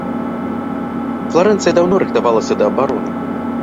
Фларэнцыя даўно рыхтавалася да абароны.